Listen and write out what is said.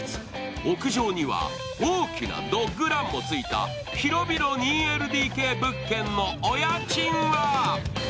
屋上には大きなドッグランもついた広々２ＬＤＫ物件のお家賃は？